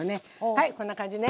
はいこんな感じね。